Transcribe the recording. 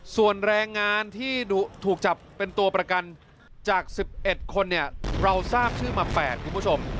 ส่วนแรงงานที่ถูกจับเป็นตัวประกันจาก๑๑คนเนี่ยเราทราบชื่อมา๘คุณผู้ชม